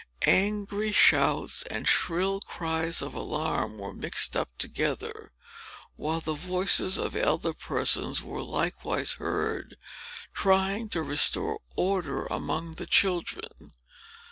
Angry shouts and shrill cries of alarm were mixed up together; while the voices of elder persons were likewise heard, trying to restore order among the children.